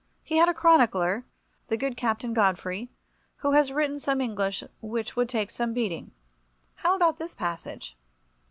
He had a chronicler, the good Captain Godfrey, who has written some English which would take some beating. How about this passage?